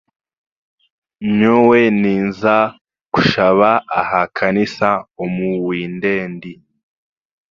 Nyowe ninza kushaba aha kanisa omu windendi.